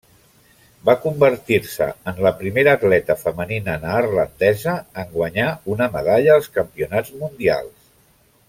Va convertir-se en la primera atleta femenina neerlandesa en guanyar una medalla als Campionats Mundials.